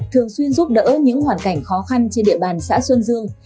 thường xuyên giúp đỡ những hoàn cảnh khó khăn trên địa bàn xã xuân dương